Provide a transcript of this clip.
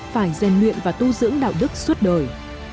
phải rèn luyện và tu dưỡng đạo đức suốt đời